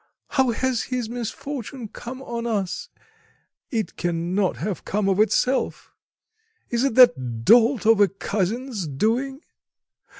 How has this misfortune come on us, it cannot have come of itself! Is it that dolt of a cousin's doing?